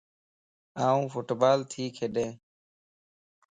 آن فٽبال تي ڪڏين